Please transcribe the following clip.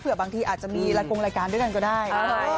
บางทีอาจจะมีรายกงรายการด้วยกันก็ได้